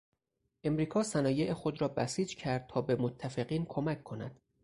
امریکا صنایع خود را بسیج کرد تا به متفقین کمک کند.